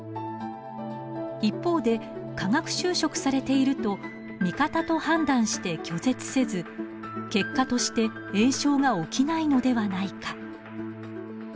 一方で化学修飾されていると味方と判断して拒絶せず結果として炎症が起きないのではないか。